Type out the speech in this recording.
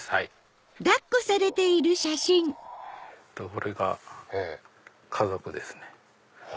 これが家族ですね。